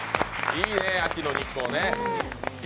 いいね、秋の日光ね。